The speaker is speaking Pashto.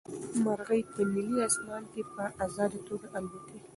مرغۍ په نیلي اسمان کې په ازاده توګه الوتلې.